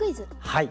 はい。